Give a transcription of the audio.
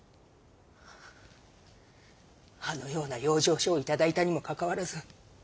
あのような養生所を頂いたにもかかわらず。